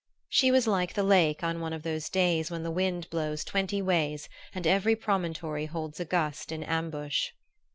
She was like the lake on one of those days when the wind blows twenty ways and every promontory holds a gust in ambush.